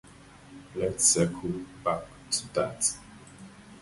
Let's circle back to that.